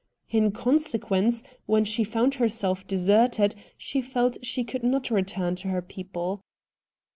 In consequence, when she found herself deserted she felt she could not return to her people.